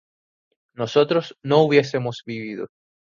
nosotros no hubiésemos vivido